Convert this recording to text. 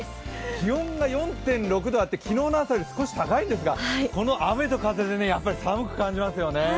気温が４．６度あって昨日の朝より少し高いですがこの雨と風で寒く感じますよね。